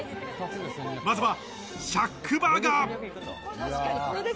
まずは、シャックバーガー。